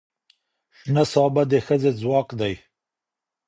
شنه سابه د ښځې ځواک دی